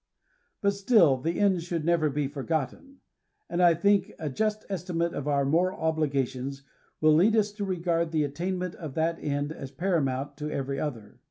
But still, the end should never be forgotten ; and I think a just estimate of our moral obligations will lead us to regard the attainment of that end as paramount to every other."